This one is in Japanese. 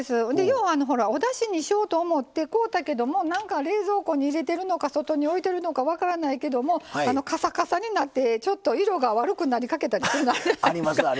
ようほらおだしにしようと思って買うたけどもなんか冷蔵庫に入れてるのか外に置いてるのか分からないけどもかさかさになってちょっと色が悪くなりかけたというのがあるじゃないですか。